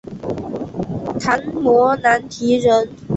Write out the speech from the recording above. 昙摩难提人。